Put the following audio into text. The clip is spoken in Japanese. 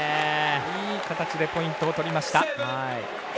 いい形でポイントをとりました。